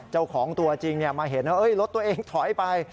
เจ้าของตัวจริงมาเห็นรถตัวเองถอยไป